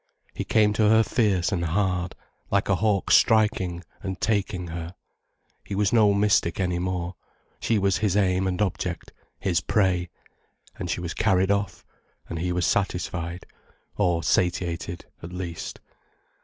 He came to her fierce and hard, like a hawk striking and taking her. He was no mystic any more, she was his aim and object, his prey. And she was carried off, and he was satisfied, or satiated at last.